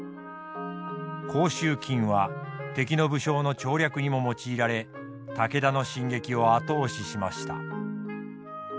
甲州金は敵の武将の調略にも用いられ武田の進撃を後押ししました。